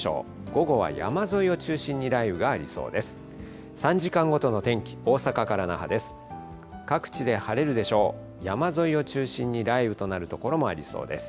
午後は山沿いを中心に雷雨がありそうです。